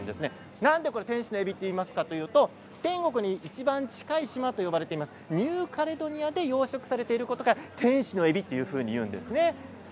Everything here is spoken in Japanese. なんで天使のえびといいますかというと天国にいちばん近い島と呼ばれているニューカレドニア島で養殖されていることから天使のえびというふうにいわれているんです。